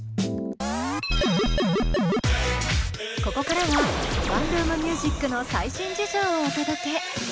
ここからはワンルーム☆ミュージックの最新事情をお届け。